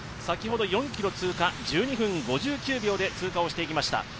先ほど４ｋｍ通過１２分５９秒で通過していきました。